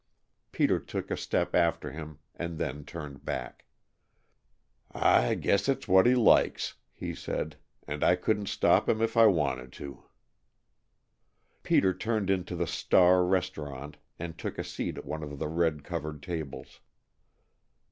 Peter took a step after him and then turned back. "I guess it's what he likes," he said, "and I couldn't stop him if I wanted to." Peter turned into the Star Restaurant and took a seat at one of the red covered tables.